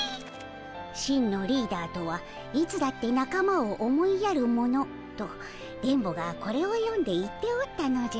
「真のリーダーとはいつだってなかまを思いやる者」と電ボがこれを読んで言っておったのじゃ。